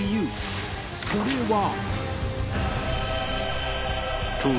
それは